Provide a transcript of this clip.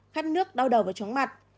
khát nước đau đầu và trống mặt